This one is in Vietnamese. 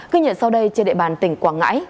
ghi nhận sau đây trên địa bàn tỉnh quảng ngãi